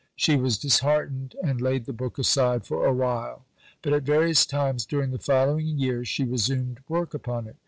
She was disheartened, and laid the book aside for a while; but at various times during the following years she resumed work upon it.